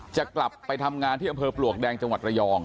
จะกลับไปทำงานที่อำเภอปลวกแดงจังหวัดระยอง